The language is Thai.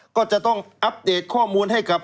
ก็จะต้องอัปเดตข้อมูลให้กับ